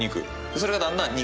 それがだんだん肉。